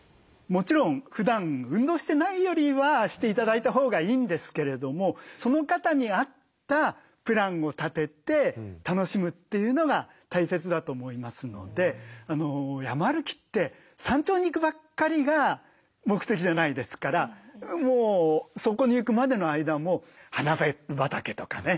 もちろんふだん運動してないよりはして頂いたほうがいいんですけれどもその方に合ったプランを立てて楽しむというのが大切だと思いますので山歩きって山頂に行くばっかりが目的じゃないですからもうそこに行くまでの間も花畑とかね